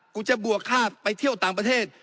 กูจะบวกค่าไปเที่ยวต่างประเทศ